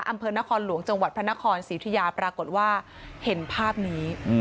อำเภอนครหลวงจังหวัดพระนครศรีอุทิยาปรากฏว่าเห็นภาพนี้